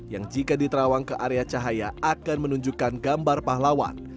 yang jika diterawang ke area cahaya akan menunjukkan gambar pahlawan